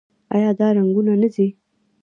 آیا دا رنګونه نه ځي؟